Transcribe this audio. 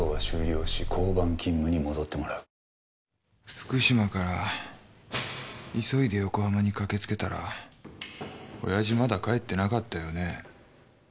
福島から急いで横浜に駆けつけたら親父まだ帰ってなかったよね。